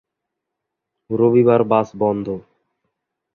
রবিবার বাস বন্ধ।